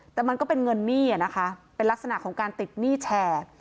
แต่มันก็เป็นเงินหนี้นะคะเป็นลักษณะของการติดหนี้แชร์